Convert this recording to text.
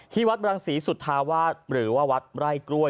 ที่วัดบรังศรีสุธาวาสหรือว่าวัดไร่กล้วย